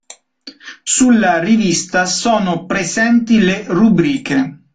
Sulla rivista sono presenti le rubriche